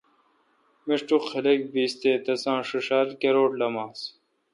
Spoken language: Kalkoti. میݭٹوک۔ خلق بیس تہ، تساںݭیݭا کروٹ لمانس۔